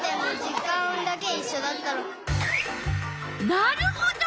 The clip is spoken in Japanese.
なるほど。